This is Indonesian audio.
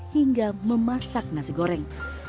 hingga memasak nasi goreng